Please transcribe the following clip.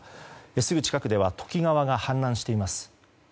すぐ近くでは土岐川が氾濫しています。